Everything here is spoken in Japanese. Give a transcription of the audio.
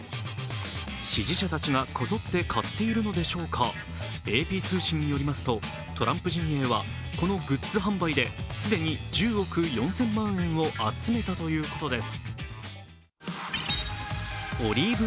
支持者たちがこぞって買っているのでしょうかＡＰ通信によりますと、トランプ陣営はこのグッズ販売で既に１０億４０００万円を集めたということです。